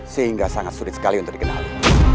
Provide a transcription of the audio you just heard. sehingga sangat sulit sekali untuk dikenali